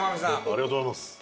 ありがとうございます。